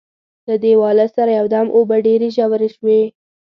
له دیواله سره یو دم اوبه ډېرې ژورې شوې.